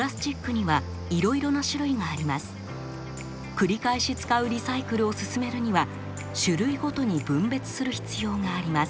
繰り返し使うリサイクルを進めるには種類ごとに分別する必要があります。